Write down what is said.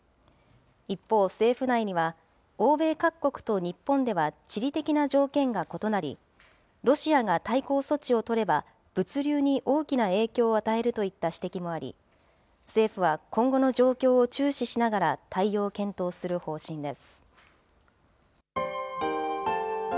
一方、政府内には、欧米各国と日本では地理的な条件が異なり、ロシアが対抗措置を取れば物流に大きな影響を与えるといった指摘もあり、政府は今後の状況を注視しながら対応を検討する方針です。